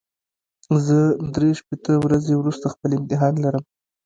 زه درې شپېته ورځې وروسته خپل امتحان لرم.